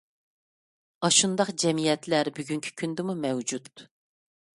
ئاشۇنداق جەمئىيەتلەر بۈگۈنكى كۈندىمۇ مەۋجۇت.